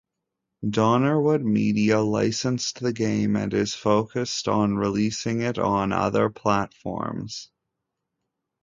Donnerwood Media licensed the game and is focused on releasing it on other platforms.